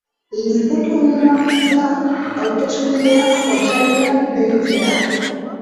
Litekeena da hauteskundeak otsailean deitzea.